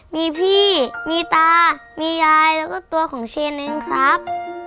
มีพี่มีตามียายแล้วก็ตัวของเชนเองครับ